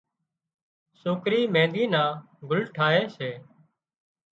سوڪري مينۮِي نان گُل ٺاهي سي